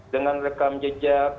dengan rekam jejak